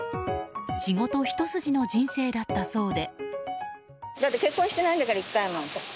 仕事ひと筋の人生だったそうで。